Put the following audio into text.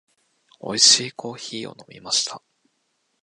美味しいコーヒーを飲みました。